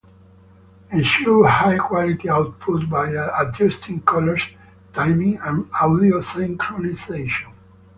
Ensure high-quality output by adjusting colors, timing, and audio synchronization.